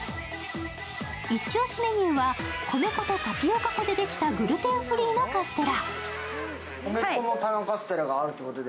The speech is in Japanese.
イチオシメニューは米粉とタピオカ粉でできた、グルテンフリーのカステラ。